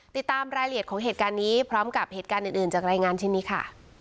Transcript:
ติดตามรายละเอียดของเหตุการณ์นี้พร้อมกับเหตุการณ์อื่นจากรายงานชิ้นนี้ค่ะ